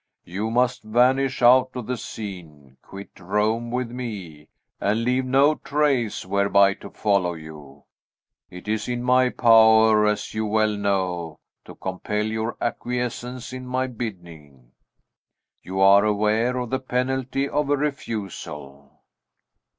You must vanish out of the scene: quit Rome with me, and leave no trace whereby to follow you. It is in my power, as you well know, to compel your acquiescence in my bidding. You are aware of the penalty of a refusal."